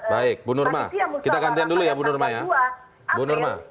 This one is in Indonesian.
baik bu nurma kita gantian dulu ya bu nurma